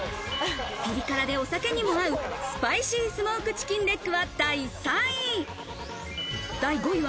ピリ辛でお酒にも合うスパイシースモークチキンレッグは第３位。